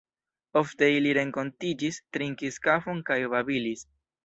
Ofte ili renkontiĝis, trinkis kafon kaj babilis.